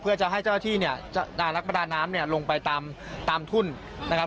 เพื่อจะให้เจ้าหน้าที่เนี่ยนักประดาน้ำเนี่ยลงไปตามทุ่นนะครับ